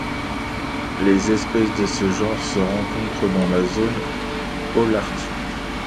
Les espèces de ce genre se rencontrent dans la zone holarctique.